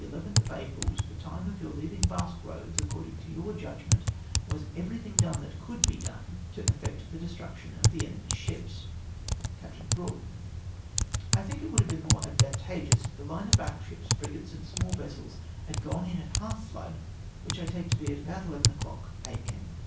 63 enemy on the evening of the 11th of April to the time of your leaving Basque Eoads, according to your judgment, was everything done that could be done to effect the destruction of the enemy's ships ?" Capt. Eroughton. —" I think it would have been more advantageous if the 11} le of battle ships, frigates, and small vessels had gone in at half flood, which I take to be at about eleven o'clock a.m.